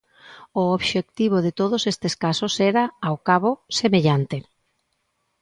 O obxectivo de todos estes casos era, ao cabo, semellante.